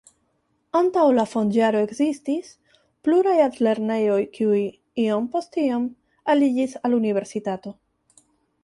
Antaŭ la fond-jaro ekzistis pluraj altlernejoj, kiuj iom post iom aliĝis al universitato.